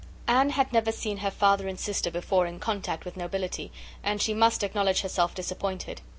Anne had never seen her father and sister before in contact with nobility, and she must acknowledge herself disappointed.